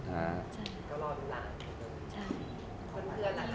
ก็เป็นห่วงเหมือนกัน